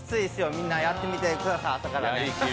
みんなやってみてください、朝からね。